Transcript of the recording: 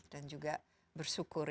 dan juga bersyukur